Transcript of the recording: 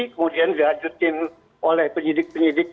kemudian dihajutin oleh penyidik penyidik